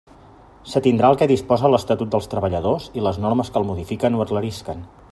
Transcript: S'atindrà al que disposa l'Estatut dels Treballadors i les normes que el modifiquen o aclarisquen.